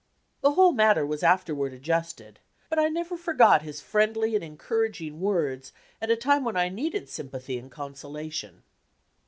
The whole matter was afterward ad justed, but I never forgot his friendly and en couraging words at a time when I needed sym pathy and consolation."